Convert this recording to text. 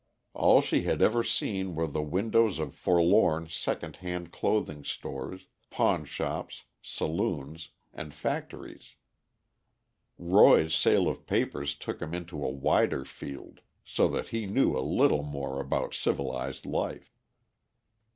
All she had ever seen were the windows of forlorn second hand clothing stores, pawnshops, saloons, and factories. Roy's sale of papers took him into a wider field, so that he knew a little more about civilized life.